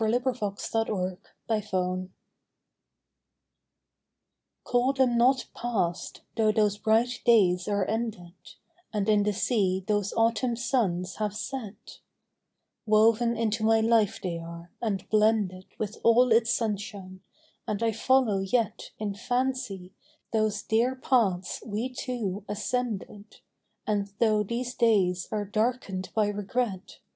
124 "THE LIGHT OF OTHER DAYS." CALL them not past, though those bright days are ended, And in the sea those autumn suns have set ; Woven into my h'fe they are, and blended With all its sunshine, and I follow yet In fancy those dear paths we two ascended ; And though these days are darken'd by regret.